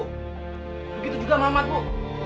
begitu juga mamat bu